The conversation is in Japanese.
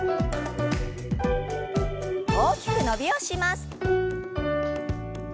大きく伸びをします。